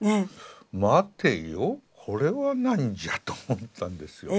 待てよこれは何じゃ？と思ったんですよ。